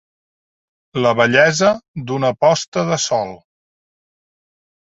La bellesa d'una posta de sol.